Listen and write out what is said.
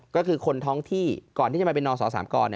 ก็คือคนท้องที่ก่อนที่จะมาเป็นนศ๓กร